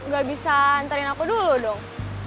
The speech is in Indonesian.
gak bisa antarin aku dulu dong